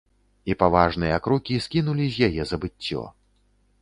І паважныя крокі скінулі з яе забыццё.